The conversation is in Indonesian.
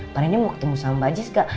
pak rendy mau ketemu sama bajis gak